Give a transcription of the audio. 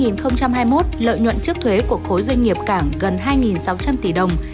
năm hai nghìn hai mươi một lợi nhuận trước thuế của khối doanh nghiệp cảng gần hai sáu trăm linh tỷ đồng